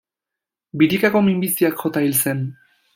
Birikako minbiziak jota hil zen.